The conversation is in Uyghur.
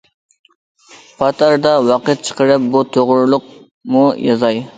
پات ئارىدا ۋاقىت چىقىرىپ بۇ توغرۇلۇقمۇ يازاي.